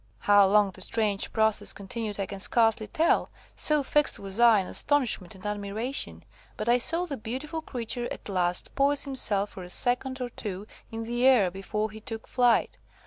"How long the strange process continued, I can scarcely tell, so fixed was I in astonishment and admiration; but I saw the beautiful creature at last poise himself for a second or two in the air before he took flight.